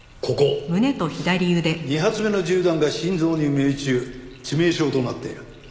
２発目の銃弾が心臓に命中致命傷となっている。